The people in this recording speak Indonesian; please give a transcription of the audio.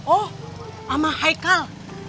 oh sama haikal